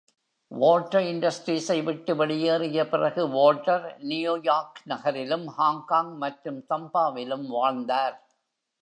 Walter Industries- ஐ விட்டு வெளியேறிய பிறகு வால்டர் நியூயார்க் நகரிலும், ஹாங்காங் மற்றும் தம்பாவிலும் வாழ்ந்தார்.